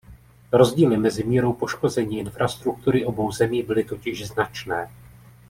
Rozdíly mezi mírou poškození infrastruktury obou zemí byly totiž značné.